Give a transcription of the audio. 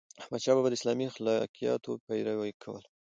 احمدشاه بابا د اسلامي اخلاقياتو پیروي کوله.